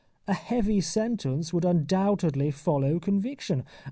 A heavy sentence would undoubtedly follow conviction.